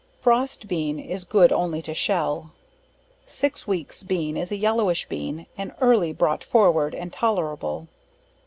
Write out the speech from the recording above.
Frost Bean, is good only to shell. Six Weeks Bean, is a yellowish Bean, and early bro't forward, and tolerable.